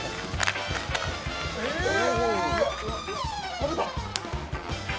食べた！